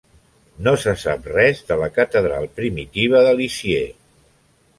No se sap res de la catedral primitiva de Lisieux.